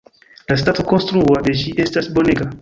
La stato konstrua de ĝi estas bonega.